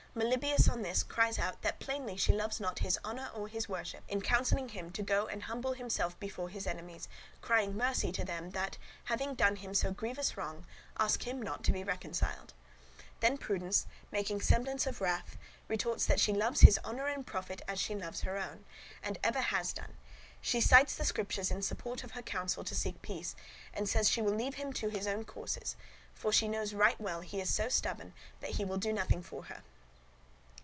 Melibœus on this cries out that plainly she loves not his honour or his worship, in counselling him to go and humble himself before his enemies, crying mercy to them that, having done him so grievous wrong, ask him not to be reconciled. Then Prudence, making semblance of wrath, retorts that she loves his honour and profit as she loves her own, and ever has done; she cites the Scriptures in support of her counsel to seek peace; and says she will leave him to his own courses, for she knows well he is so stubborn, that he will do nothing for her.